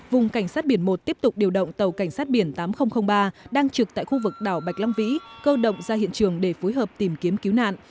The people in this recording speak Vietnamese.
vùng cảnh sát biển một tiếp tục điều động tàu cảnh sát biển tám nghìn ba đang trực tại khu vực đảo bạch long vĩ cơ động ra hiện trường để phối hợp tìm kiếm cứu nạn